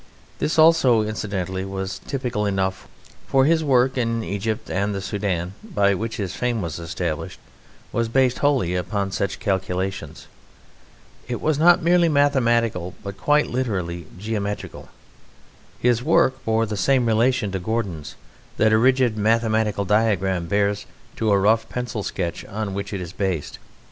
This also, incidentally, was typical enough, for his work in Egypt and the Soudan, by which his fame was established, was based wholly upon such calculations. It was not merely mathematical but literally geometrical. His work bore the same relation to Gordon's that a rigid mathematical diagram bears to a rough pencil sketch on which it is based.